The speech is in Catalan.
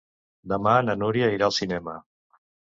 Demà na Núria irà al cinema.